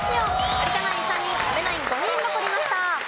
有田ナイン３人阿部ナイン５人残りました。